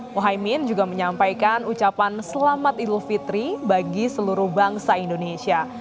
muhaymin juga menyampaikan ucapan selamat idul fitri bagi seluruh bangsa indonesia